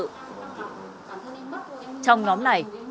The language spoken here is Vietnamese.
trong nhóm này chị nguyễn thị phương đã đặt bài hỏi